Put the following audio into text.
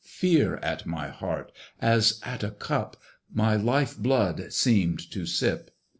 Fear at my heart, as at a cup, My life blood seemed to sip!